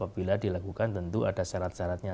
bila dilakukan tentu ada syarat syaratnya